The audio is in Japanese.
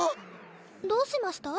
どうしました？